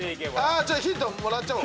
ヒントもらっちゃおう。